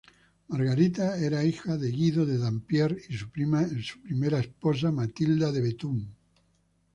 Margarita era hija de Guido de Dampierre y su primera esposa Matilda de Bethune.